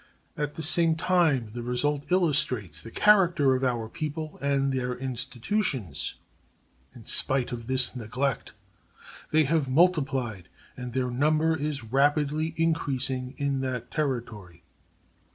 At the same time, the result illustrates the character of our people and their institutions. In spite of this neglect they have multiplied, and their number is rapidly increasing in that Territory.